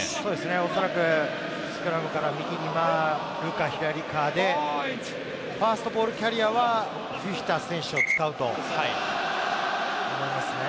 おそらくスクラムから右か左かで、ファーストボールキャリアはフィフィタ選手を使うと思いますね。